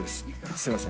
すみません。